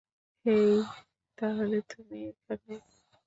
হেই, তাহলে তুমি এখানে।